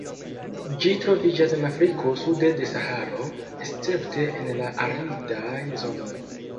Ĝi troviĝas en Afriko sude de Saharo, escepte en la aridaj zonoj.